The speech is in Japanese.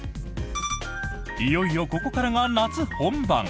いよいよここからが、夏本番！